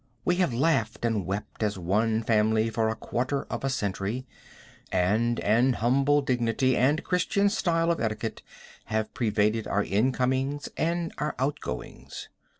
We have laughed and wept as one family for a quarter of a century, and an humble dignity and Christian style of etiquette have pervaded our incomings and our outgoings.